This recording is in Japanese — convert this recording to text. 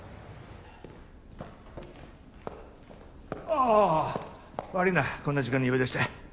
ああ悪ぃなこんな時間に呼び出して。